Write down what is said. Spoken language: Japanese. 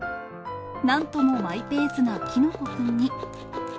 なんともマイペースなきのこくんに。